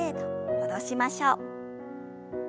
戻しましょう。